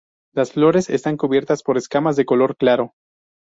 Las flores están cubiertas por escamas de color claro.